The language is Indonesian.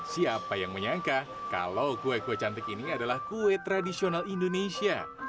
siapa yang menyangka kalau kue kue cantik ini adalah kue tradisional indonesia